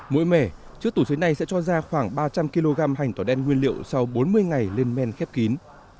mỗi mẻ chiếc tủ xối này sẽ cho ra khoảng ba trăm linh kg hành tỏi đen nguyên liệu sau bốn mươi ngày lên men khép kín